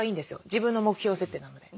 自分の目標設定なので。